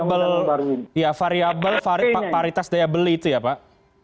termasuk soal variabel paritas daya beli itu ya pak